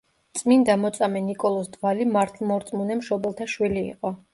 წმინდა მოწამე ნიკოლოზ დვალი მართლმორწმუნე მშობელთა შვილი იყო.